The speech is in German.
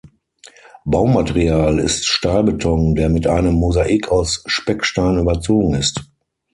Baumaterial ist Stahlbeton, der mit einem Mosaik aus Speckstein überzogen ist.